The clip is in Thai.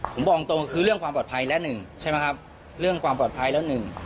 ผมบอกตรงคือเรื่องความปลอดภัยและหนึ่งใช่ไหมครับเรื่องความปลอดภัยแล้วหนึ่ง